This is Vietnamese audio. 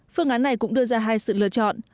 phương án này cũng đưa ra hai sự lựa chọn